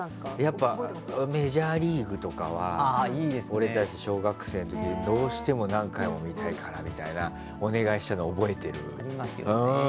やっぱ「メジャーリーグ」とかは俺たち、小学生の時どうしても何回も見たいからってお願いしたのを覚えてる。